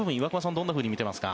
どんなふうに見ていますか？